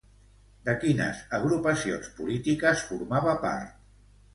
De quines agrupacions polítiques formava part?